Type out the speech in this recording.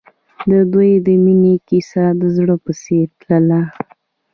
د دوی د مینې کیسه د زړه په څېر تلله.